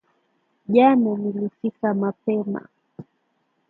Jana nilifika mapema